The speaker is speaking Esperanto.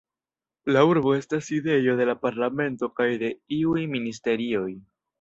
La urbo estas sidejo de la parlamento kaj de iuj ministerioj.